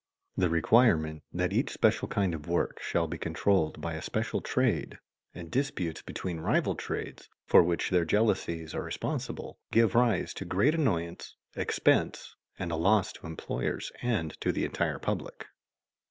The requirement that each special kind of work shall be controlled by a special trade, and disputes between rival trades, for which their jealousies are responsible, give rise to great annoyance, expense, and loss to employers and to the entire public.